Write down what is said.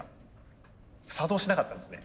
作動しなかったんですね。